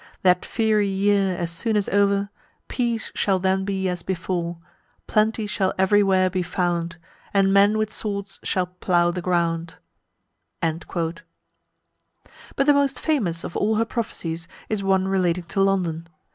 That fiery year as soon as o'er, Peace shall then be as before; Plenty shall every where be found, And men with swords shall plough the ground." But the most famous of all her prophecies is one relating to London.